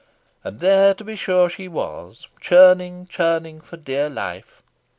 And there, to be sure, she was, churning, churning for dear life.